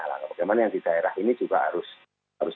bagaimana yang di daerah ini juga harus